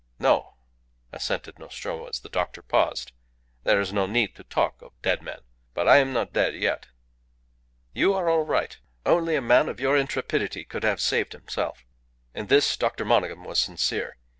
"No," assented Nostromo, as the doctor paused, "there is no need to talk of dead men. But I am not dead yet." "You are all right. Only a man of your intrepidity could have saved himself." In this Dr. Monygham was sincere.